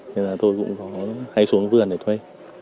thế là tôi cũng hay xuống vườn để thuê